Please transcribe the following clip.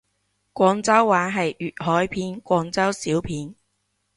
廣州話係粵海片廣州小片